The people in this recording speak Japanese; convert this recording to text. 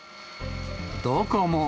どこも。